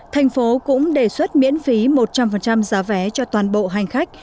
thành phố cũng đề xuất miễn phí một trăm linh giá vé cho toàn bộ hành khách